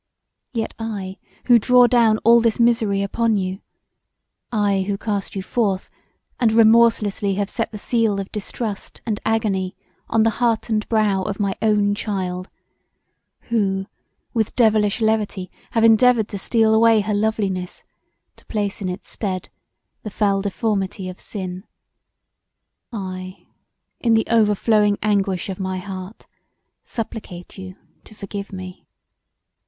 Yet I who draw down all this misery upon you; I who cast you forth and remorselessly have set the seal of distrust and agony on the heart and brow of my own child, who with devilish levity have endeavoured to steal away her loveliness to place in its stead the foul deformity of sin; I, in the overflowing anguish of my heart, supplicate you to forgive me.